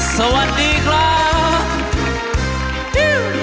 สวัสดีครับ